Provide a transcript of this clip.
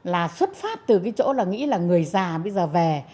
là xuất phát từ cái chỗ là nghĩ là người già bây giờ về